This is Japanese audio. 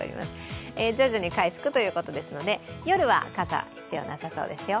徐々に回復ということですので、夜は傘、必要なさそうですよ。